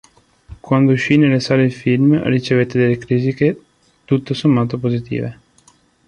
Quando uscì nelle sale il film ricevette delle critiche tutto sommato positive.